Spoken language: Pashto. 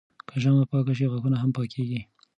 که ژامه پاکه شي، غاښونه هم پاکېږي.